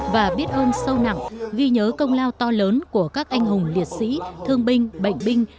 và biết ơn sâu nặng ghi nhớ công lao to lớn của các anh hùng liệt sĩ thương binh bệnh binh